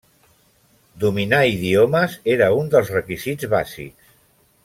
Dominar idiomes era un dels requisits bàsics.